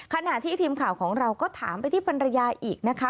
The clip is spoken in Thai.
ขณะที่ทีมข่าวของเราก็ถามไปที่ภรรยาอีกนะคะ